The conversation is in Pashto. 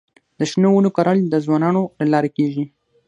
د شنو ونو کرل د ځوانانو له لارې کيږي.